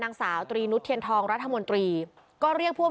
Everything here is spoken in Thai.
แล้วก็ย้ำว่าจะเดินหน้าเรียกร้องความยุติธรรมให้ถึงที่สุด